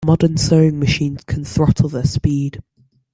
Modern sewing machines can throttle their speed.